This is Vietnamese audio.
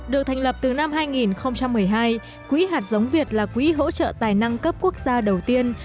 được thành lập từ năm hai nghìn một mươi hai quỹ hạt giống việt là quỹ hỗ trợ tài năng cấp quốc gia đầu tiên